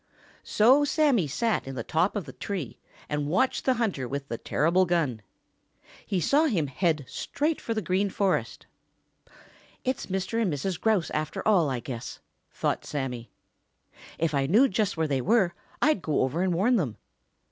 So Sammy sat in the top of the tree and watched the hunter with the terrible gun. He saw him head straight for the Green Forest. "It's Mr. and Mrs. Grouse after all, I guess," thought Sammy. "If I knew just where they were I'd go over and warn them."